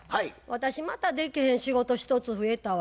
私またできへん仕事一つ増えたわ。